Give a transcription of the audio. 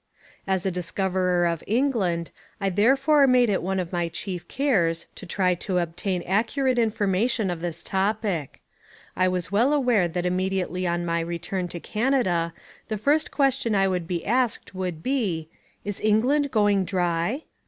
As a discoverer of England I therefore made it one of my chief cares to try to obtain accurate information of this topic. I was well aware that immediately on my return to Canada the first question I would be asked would be "Is England going dry?"